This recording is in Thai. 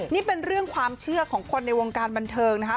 นี่เป็นเรื่องความเชื่อของคนในวงการบันเทิงนะคะ